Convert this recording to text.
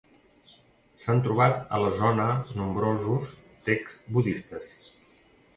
S'han trobat a la zona nombrosos texts budistes.